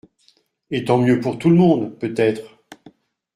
Et tant mieux pour tout le monde, peut-être.